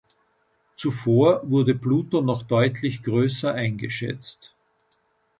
Zuvor wurde Pluto noch deutlich größer eingeschätzt.